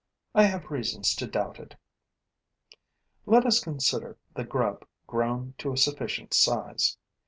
I have reasons to doubt it. Let us consider the grub grown to a sufficient size.